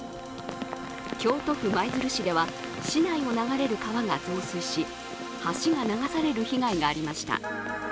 京都府舞鶴市では市内を流れる川が増水し、橋が流される被害がありました。